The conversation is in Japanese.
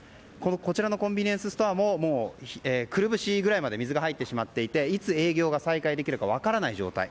こちらのコンビニエンスストアももう、くるぶしぐらいまで水が入ってしまっていていつ、営業が再開できる分からない状態。